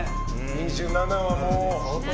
２７はもう。